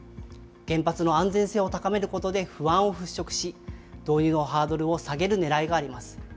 原発の安全性を高めることで不安を払拭し、同意のハードルを下げるねらいがあります。